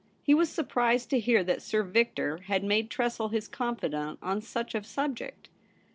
He was surprised to hear that Sir Victor had made Tressel his confidant on such a subject.